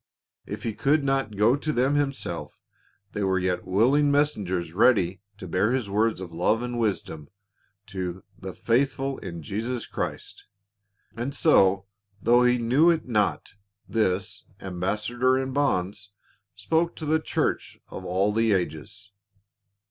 If he could not go to them himself there were yet willing messengers ready to bear his words of love and wisdom to "the faithful in Christ Jesus." And so, though he knew it not, this "ambassador in bonds" spoke to the church of all the ages.